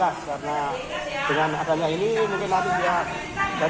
karena dengan adanya ini mungkin nanti dia dari rumah ke sekolah tanpa hambatan